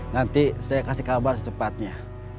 nanti saya kasih kabar secepatnya